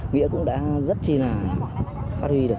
nghĩa cũng đã rất chi là phát huy được